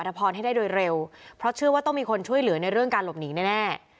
ทพรให้ได้โดยเร็วเพราะเชื่อว่าต้องมีคนช่วยเหลือในเรื่องการหลบหนีแน่